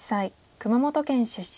熊本県出身。